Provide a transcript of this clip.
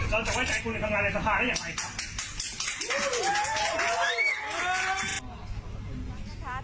เราจะไว้ใจคุณในสภาได้ยังไงครับ